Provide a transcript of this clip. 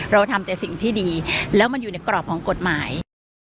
เราทำแต่สิ่งที่ดีแล้วมันอยู่ในกรอบของกฎหมาย